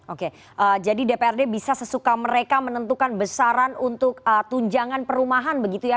oke jadi dprd bisa sesuka mereka menentukan besaran untuk tunjangan perumahan begitu ya